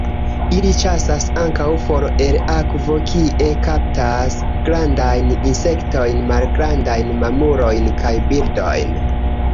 Ili ĉasas ankaŭ for el akvo, kie kaptas grandajn insektojn, malgrandajn mamulojn, kaj birdojn.